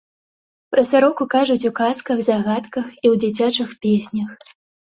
Пра сароку кажуць у казках, загадках і ў дзіцячых песнях.